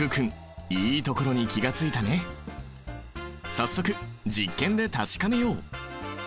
早速実験で確かめよう！